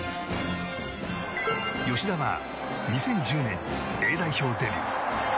吉田は２０１０年にＡ代表デビュー。